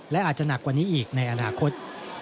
และอาจจะหนักกว่านี้อีกในอนาคต